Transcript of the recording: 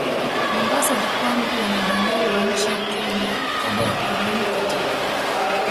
Mombasa ulikuwa mji wenye bandari wa nchi ya Kenya kabla ya ukoloni katika